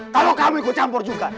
kalau kamu ikut campur juga